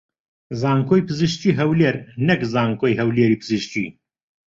زانکۆی پزیشکیی هەولێر نەک زانکۆی هەولێری پزیشکی